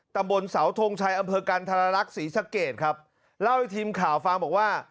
ตำบลเสาทงชัยอำเภอกันธรรลักษณ์ศรีสะเกดครับเล่าให้ทีมข่าวฟังบอกว่า